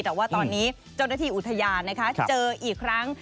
แต่ว่าตอนนี้เจ้าหน้าที่อุทยานเจออีกครั้ง